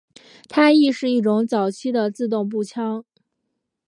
它亦是一种早期的自动步枪。